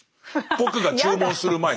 僕が注文する前に。